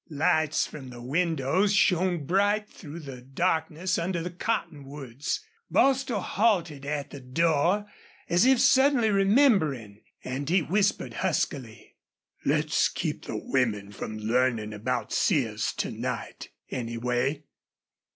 Lights from the windows shone bright through the darkness under the cottonwoods. Bostil halted at the door, as if suddenly remembering, and he whispered, huskily: "Let's keep the women from learnin' about Sears to night, anyway."